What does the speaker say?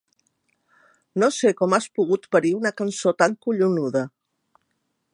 No sé com has pogut parir una cançó tan collonuda.